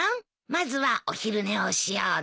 まずはお昼寝をしようね。